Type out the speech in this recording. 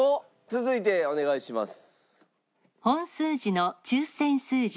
続いてお願いします。